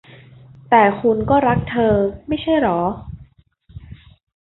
แต่คุณก็รักเธอ ไม่ใช่เหรอ ?